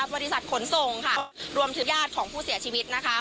บริษัทขนส่งค่ะรวมถึงญาติของผู้เสียชีวิตนะคะ